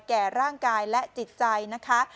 แก่ร่างกายและจิตใจนะคะ